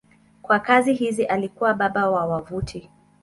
Kwa kazi hizi alikuwa baba wa wavuti.